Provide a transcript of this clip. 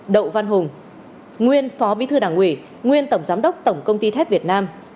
đậu văn hùng nguyên phó bí thư đảng ủy nguyên tổng giám đốc tổng công ty thép việt nam